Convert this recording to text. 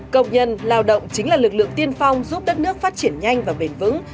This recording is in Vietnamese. công nhân lao động chính là lực lượng tiên phong giúp đất nước phát triển nhanh và bền vững